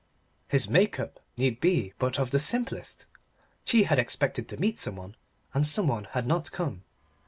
His make up need be but of the simplest. She had expected to meet someone, and someone had not come.